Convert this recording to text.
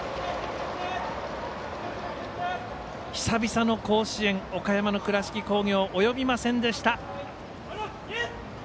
久々の甲子園岡山の倉敷工業及びませんでした。